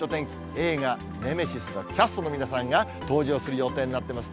映画、ネメシスのキャストの皆さんが登場する予定になってます。